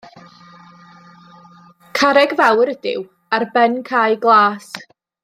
Carreg fawr ydyw, ar ben cae glas.